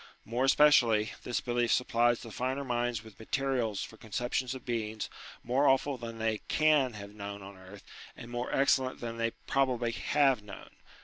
More especially, this belief supplies the finer minds with material for conceptions of beings more awful than they can have known on earth, and more excel lent than they probably have known.